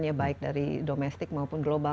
ya baik dari domestik maupun global